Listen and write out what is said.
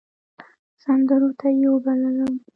سندرو ته يې وبللم .